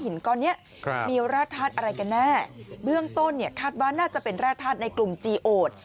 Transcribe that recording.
ก้อนนี้มีแร่ธาตุอะไรกันแน่เบื้องต้นเนี่ยคาดว่าน่าจะเป็นแร่ธาตุในกลุ่มจีโอด